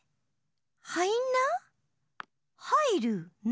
「はいんな」？